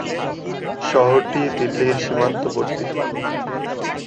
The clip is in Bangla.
শহরটি দিল্লির সীমান্তবর্তী।